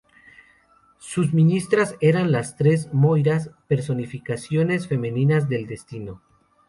Sus ministras eran las tres Moiras, personificaciones femeninas del destino.